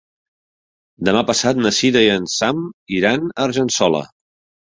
Demà passat na Cira i en Sam iran a Argençola.